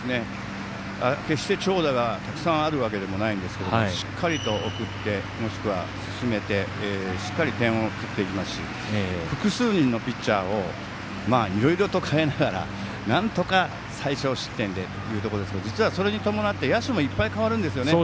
決して長打がたくさんあるわけではないんですがしっかりと送ってもしくは進めてしっかり点を取っていますし複数人のピッチャーをいろいろと代えながら、なんとか最少失点でというところで実は、それに伴って野手もいっぱい代わるんですよね。